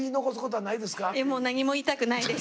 いやもう何も言いたくないです。